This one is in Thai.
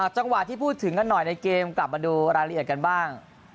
จังหวะที่พูดถึงกันหน่อยในเกมกลับมาดูรายละเอียดกันบ้าง